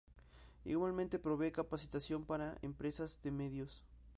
Igualmente provee capacitación para empresas de medios.